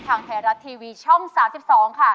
ทางไทยรัฐทีวีช่อง๓๒ค่ะ